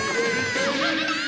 あぶない！